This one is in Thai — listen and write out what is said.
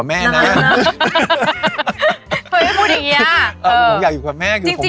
แม่อุ่ม